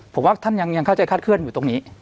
ผมว่าท่านยังเข้าใจคาดเคลื่อนอยู่ตรงนี้